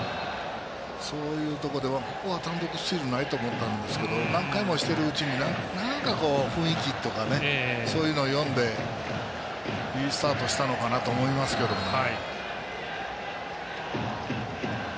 そういうところでここは単独スチールないと思ったんですけど何回もしているうちに雰囲気とかそういうのを読んでいいスタートしたのかなと思いますけどね。